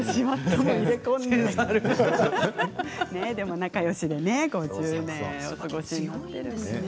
でも仲よしでね５０年お過ごしいただいてるんですね。